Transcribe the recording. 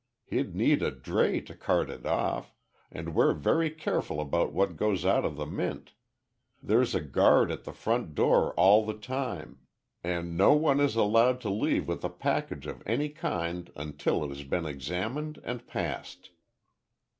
He'd need a dray to cart it off, and we're very careful about what goes out of the Mint. There's a guard at the front door all the time, and no one is allowed to leave with a package of any kind until it has been examined and passed."